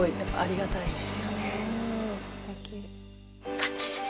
ばっちりです！